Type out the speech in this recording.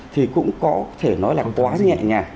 thì cũng có thể nói là quá nhẹ nhàng